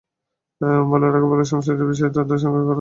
বলে রাখা ভালো, সংশ্লিষ্ট বিষয়ে তথ্য সংগ্রহ করা সহজ কাজ ছিল না।